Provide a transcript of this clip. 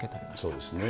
そうですね。